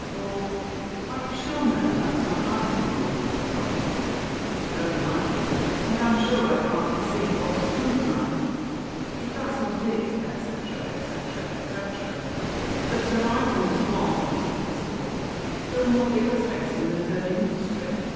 or, "Are you sure, Mary, that's not my thimble you have got? It's very like it; and I'm sure I can't conceive what's become of mine, if that's not it," etc. etc. etc. But her idleness was, if possible, still more irritating than her industry.